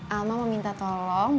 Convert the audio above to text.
alma aku mau minta tolong